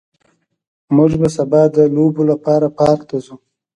موږ به سبا د لوبو لپاره پارک ته ځو